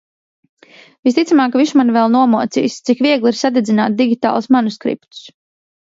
Visticamāk viņš mani vēl nomocīs. Cik viegli ir sadedzināt digitālus manuskriptus...